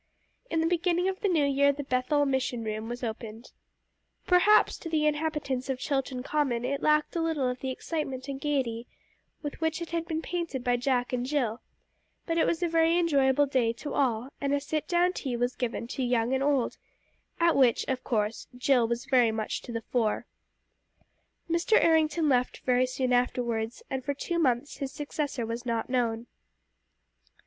In the beginning of the New Year the "Bethel Mission room" was opened. Perhaps to the inhabitants of Chilton Common it lacked a little of the excitement and gaiety with which it had been painted by Jack and Jill; but it was a very enjoyable day to all, and a sit down tea was given to young and old, at which, of course, Jill was very much to the fore. Mr. Errington left very soon afterwards, and for two months his successor was not known.